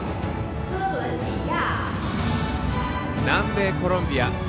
南米コロンビア。